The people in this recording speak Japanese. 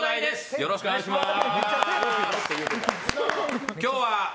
よろしくお願いします！